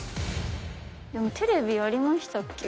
テレビありましたっけ？